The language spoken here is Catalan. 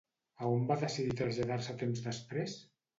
A on van decidir traslladar-se temps després?